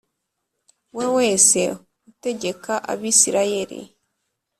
We wese utegeka abisirayeli